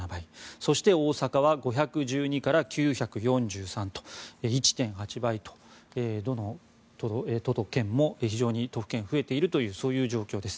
そして、大阪は５１２から９４３と１．８倍とどの都府県も増えているという状況です。